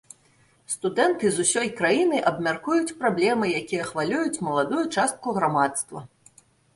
Студэнты з усёй краіны абмяркуюць праблемы, якія хвалююць маладую частку грамадства.